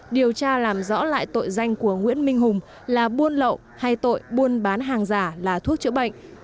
điều tra làm rõ lại tội danh của nguyễn minh hùng là buôn lậu hay tội buôn bán hàng giả là thuốc chữa bệnh